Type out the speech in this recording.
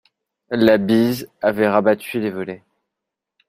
La bise avait rabattu les volets.